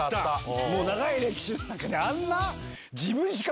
長い歴史の中であんな。